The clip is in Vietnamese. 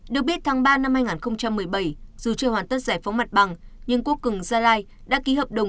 được biết tháng ba năm hai nghìn một mươi bảy dù chưa hoàn tất giải phóng mặt bằng nhưng quốc cường gia lai đã ký hợp đồng